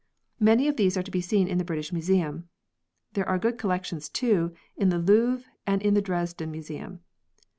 Many of these are to be seen in the British Museum. There are good collections, too, in the Louvre and in the Dresden Museum.